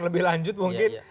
lebih lanjut mungkin